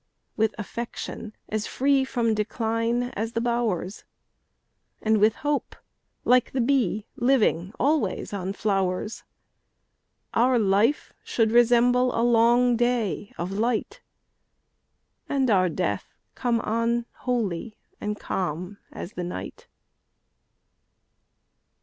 With affection as free From decline as the bowers, And, with hope, like the bee, Living always on flowers, Our life should resemble a long day of light, And our death come on, holy and calm as the night.